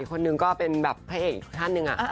อีกคนนึงก็เป็นแบบพระเอกช่าหนึ่ง